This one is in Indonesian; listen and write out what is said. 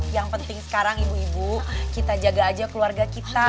yang penting sekarang ibu ibu kita jaga aja keluarga kita